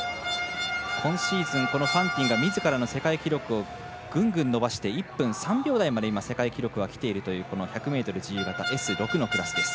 今シーズン、ファンティンがみずからの世界記録をグングン伸ばして１分３秒台まで世界記録はきているという１００ｍ自由形Ｓ６のクラス。